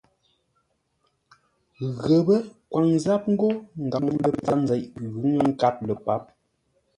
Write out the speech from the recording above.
Ghəpə́ kwaŋ záp ńgó ngaŋ ləpar nzeʼ ghʉ̌ ŋə́ nkâp lə́ páp.